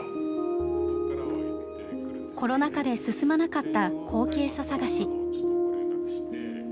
コロナ禍で進まなかった後継者探し。